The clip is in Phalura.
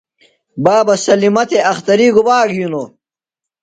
بابہ سلِیمہ تھےۡ اختری گُبا گِھینوۡ؟